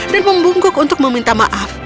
dan membungkuk untuk meminta maaf